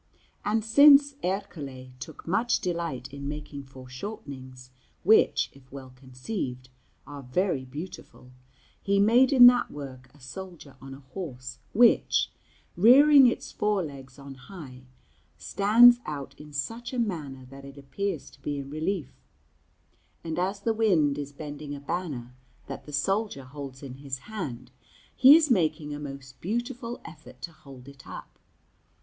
And since Ercole took much delight in making foreshortenings, which, if well conceived, are very beautiful, he made in that work a soldier on a horse, which, rearing its fore legs on high, stands out in such a manner that it appears to be in relief; and as the wind is bending a banner that the soldier holds in his hand, he is making a most beautiful effort to hold it up.